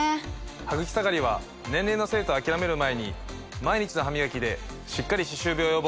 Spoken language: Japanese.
ハグキ下がりは年齢のせいと諦める前に毎日の歯磨きでしっかり歯周病予防。